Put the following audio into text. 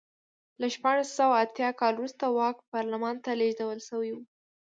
له شپاړس سوه اته اتیا کال وروسته واک پارلمان ته لېږدول شوی و.